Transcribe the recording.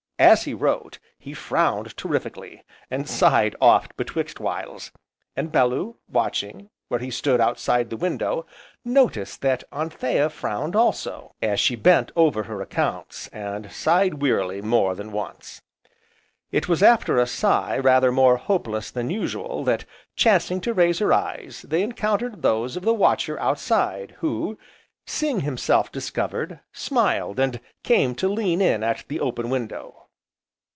As he wrote, he frowned terrifically, and sighed oft betwixt whiles; and Bellew watching, where he stood outside the window, noticed that Anthea frowned also, as she bent over her accounts, and sighed wearily more than once. It was after a sigh rather more hopeless than usual that, chancing to raise her eyes they encountered those of the watcher outside, who, seeing himself discovered, smiled, and came to lean in at the open window.